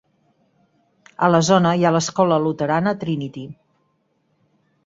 A la zona hi ha l'escola luterana Trinity.